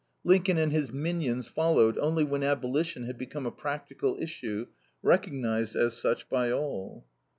Lincoln and his minions followed only when abolition had become a practical issue, recognized as such by all.